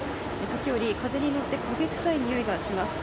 時折、風にのって焦げ臭い臭いがします。